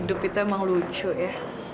hidup kita emang lucu ya